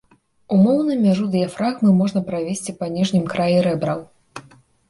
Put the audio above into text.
Умоўна мяжу дыяфрагмы можна правесці па ніжнім краі рэбраў.